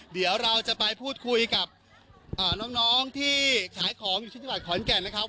เดี๋ยวเราจะไปพูดคุยกับน้องที่ขายของอยู่ที่จังหวัดขอนแก่นนะครับ